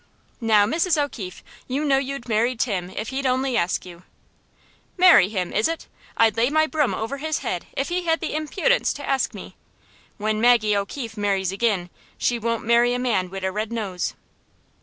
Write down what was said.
"Now, Mrs. O'Keefe, you know you'd marry Tim if he'd only ask you." "Marry him, is it? I'd lay my broom over his head if he had the impudence to ask me. When Maggie O'Keefe marries ag'in, she won't marry a man wid a red nose."